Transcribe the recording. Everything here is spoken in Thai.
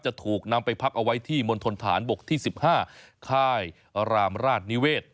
จะถูกนำไปพักเอาไว้ที่มณฑนฐานบกที่๑๕ค่ายรามราชนิเวศ